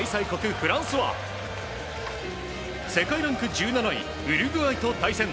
フランスは世界ランク１７位ウルグアイと対戦。